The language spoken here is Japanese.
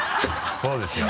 そうですよね。